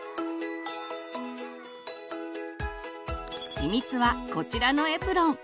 秘密はこちらのエプロン。